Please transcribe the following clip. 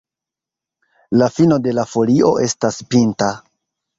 La fino de la folio estas pinta.